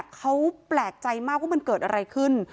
เขาแปลกใจมากว่ามันเกิดอะไรขึ้น